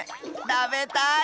たべたい！